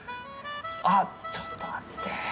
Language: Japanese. あっちょっと待って。